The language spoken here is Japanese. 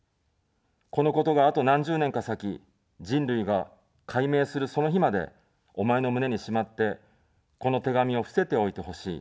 このことが、あと何十年か先、人類が解明するその日まで、お前の胸にしまって、この手紙を伏せておいてほしい。